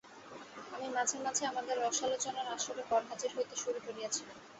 আমি মাঝে মাঝে আমাদের রসালোচনার আসরে গরহাজির হইতে শুরু করিয়াছিলাম।